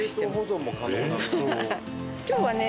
今日はね